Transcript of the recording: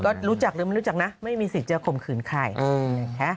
ก็รู้จักหรือไม่รู้จักนะไม่มีสิทธิ์จะข่มขืนใครนะคะ